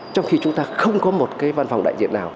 trong khi chúng ta không có một cái văn phòng đại diện nào